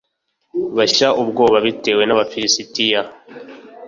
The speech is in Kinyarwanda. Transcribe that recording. bashya ubwoba bitewe n’abafilisitiya